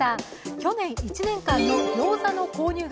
去年１年間のギョーザの購入額